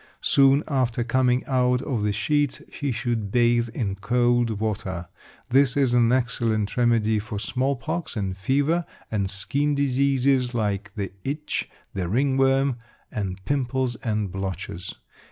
Soon after coming out of the sheets he should bathe in cold water. This is an excellent remedy for small pox and fever, and skin diseases like the itch, the ringworm, and pimples and blotches.